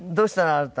あなた。